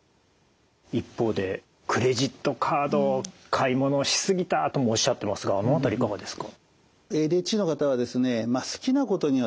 一方でクレジットカードを買い物をし過ぎたともおっしゃってますがあの辺りいかがですか？